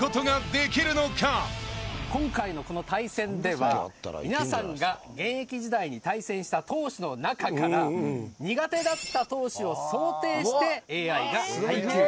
今回のこの対戦では皆さんが現役時代に対戦した投手の中から苦手だった投手を想定してＡＩが配球。